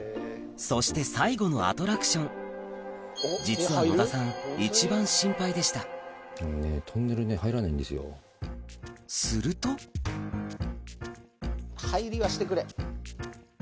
そして最後のアトラクション実は野田さんすると入りはしてくれ！